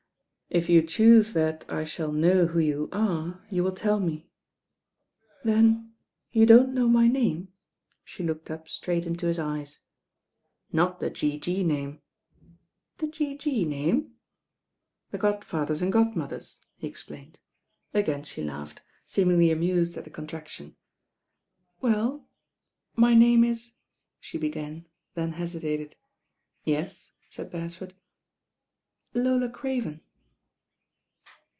"If you choose that I >^hall know who you are you wiU teU me." "Then you don't know my name?" She looked up straight into his eyes. "Not the G.G. name." "The G.G. name?" "The godfathers' and godmpthers'," he explained. Again she laughed, seemingly amused at the con traction. "Well, my name is " she began, then hesi tated. "Yes," said Beresford. "Lola Craven."